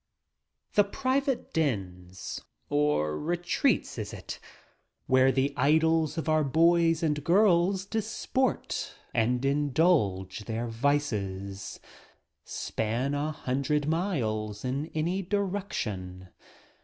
t 20 DUCK BLINDS The private dens — or retreats, is it, — where the idols of our boys and girls disport and indulge their vices span a hundred miles in any direction.